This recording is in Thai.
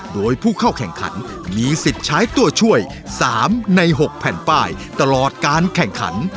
โดยผู้เข้าแข่งขันมีสิทธิ์ใช้ตัวช่วย๓ใน๖แผ่นป้ายตลอดการแข่งขัน